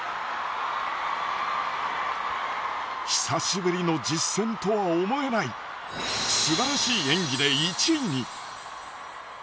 久しぶりの実戦とは思えないすばらしい演技で１位に！